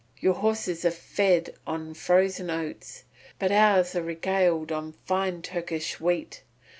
Your horses are fed on frozen oats, but ours are regaled on fine Turkish wheat.